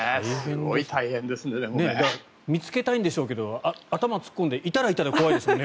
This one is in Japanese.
見つけたいんでしょうけど頭突っ込んでいたらいたで怖いでしょうね。